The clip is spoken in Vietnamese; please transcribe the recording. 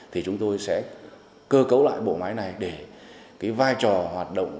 thì chúng tôi sẽ cơ cấu lại bộ máy này để cái vai trò hoạt động